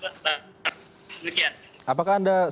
demikian apakah anda